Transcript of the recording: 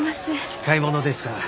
買い物ですか？